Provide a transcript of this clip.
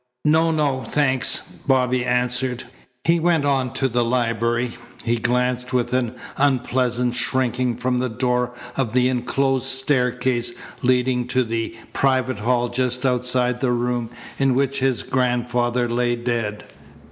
"No, no. Thanks," Bobby answered. He went on to the library. He glanced with an unpleasant shrinking from the door of the enclosed staircase leading to the private hall just outside the room in which his grandfather lay dead.